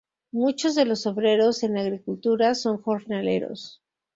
Muchos de los obreros en la agricultura son jornaleros.